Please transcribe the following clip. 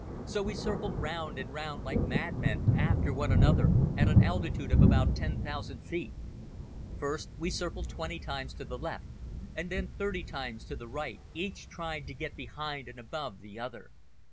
So we circled round and round like madmen after one another at an altitude of about 10,000 feet. First we circled twenty times to the left, and then thirty times to the right. Each tried to get behind and above the other.